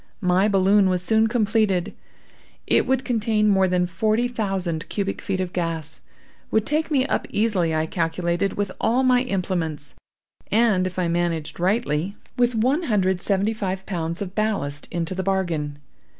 My balloon was soon completed. It would contain more than forty thousand cubic feet of gas; would take me up easily, I calculated, with all my implements, and, if I managed rightly, with one hundred and seventy five pounds of ballast into the bargain.